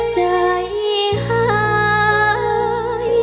ใจหาย